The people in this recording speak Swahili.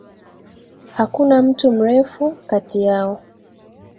Hakuna mtu mrefu kati yao